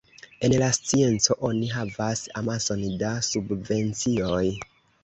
En la scienco oni havas amason da subvencioj.